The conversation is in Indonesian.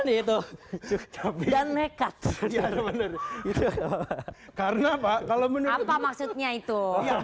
itu dan mereka karena pak kalau menurut apa maksudnya itu